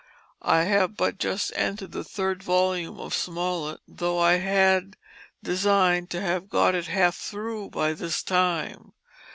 I have but just entered the 3rd vol of Smollett tho' I had design'd to have got it half through by this time.